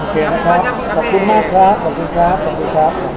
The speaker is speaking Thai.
โอเคนะคะขอบคุณมากครับขอบคุณครับขอบคุณครับขอบคุณครับ